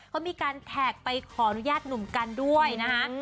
เขามีการแท็กไปขออนุญาตหนุ่มกันด้วยนะฮะ